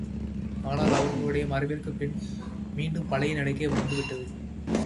ஆனால் அவர்களுடைய மறைவிற்குப் பின் மீண்டும் பழைய நிலைக்கே வந்து விட்டது.